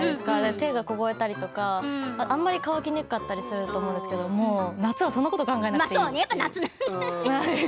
手が凍えたり乾きにくかったりすると思うんですけど夏はそういうことを考えなくていいので。